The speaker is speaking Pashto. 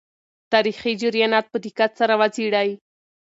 تاریخي جریانات په دقت سره وڅېړئ.